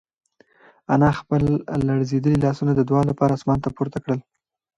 انا خپل لړزېدلي لاسونه د دعا لپاره اسمان ته پورته کړل.